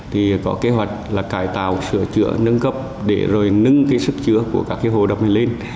thì có kế hoạch là cải tạo sửa chữa nâng cấp để rồi nâng cái sức chứa của các cái hồ đập này lên